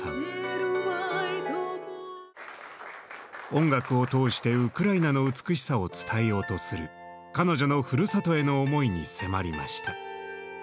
音楽を通してウクライナの美しさを伝えようとする彼女のふるさとへの思いに迫りました。